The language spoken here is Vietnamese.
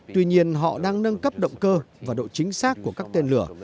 tuy nhiên họ đang nâng cấp động cơ và độ chính xác của các tên lửa